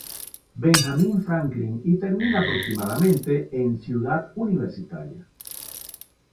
Benjamín Franklin y termina aproximadamente en Ciudad Universitaria.